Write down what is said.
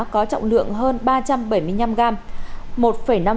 có trọng lượng hơn ba trăm bảy mươi năm gram